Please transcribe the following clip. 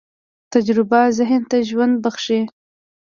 تجربه ذهن ته ژوند بښي.